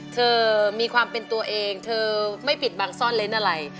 เธอมีความเป็นตัวเองเธอไม่ปิดบังซ่อนเล้นอะไร